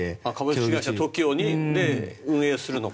株式会社ＴＯＫＩＯで運営するのか。